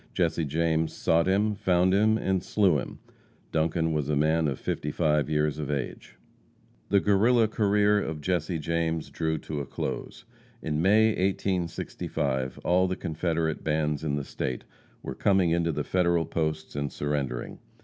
Jesse James sought him, found him, and slew him. Duncan was a man of 55 years of age. The Guerrilla career of Jesse James drew to a close. In May, 1865, all the Confederate bands in the State were coming into the Federal posts and surrendering.